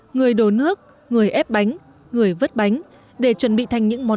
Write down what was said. người đổ nước người ép bánh người vất bánh để chuẩn bị thành những hội viên